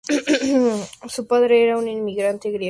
Su padre era un inmigrante griego y su madre era inglesa.